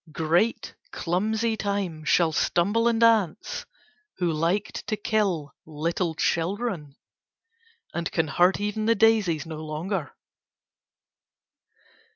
Great clumsy time shall stumble and dance, who liked to kill little children, and can hurt even the daisies no longer.